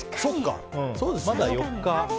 まだ４日。